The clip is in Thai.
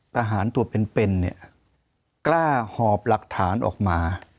ทหารตัวเป็นเนี่ยกล้าหอบหลักฐานออกมา